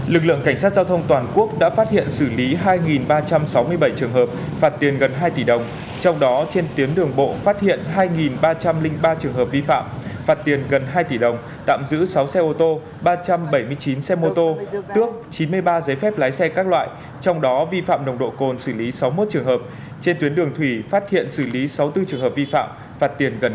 lực lượng cảnh sát giao thông toàn quốc đã phát hiện xử lý hai ba trăm sáu mươi bảy trường hợp phạt tiền gần hai tỷ đồng trong đó trên tuyến đường bộ phát hiện hai ba trăm linh ba trường hợp vi phạm phạt tiền gần hai tỷ đồng tạm giữ sáu xe ô tô ba trăm bảy mươi chín xe mô tô tước chín mươi ba giấy phép lái xe các loại trong đó vi phạm nồng độ cồn xử lý sáu mươi một trường hợp trên tuyến đường thủy phát hiện xử lý sáu mươi bốn trường hợp vi phạm phạt tiền gần hai mươi triệu đồng